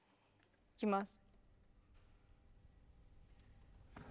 いきます。